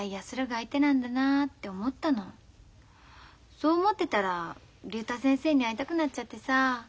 そう思ってたら竜太先生に会いたくなっちゃってさ。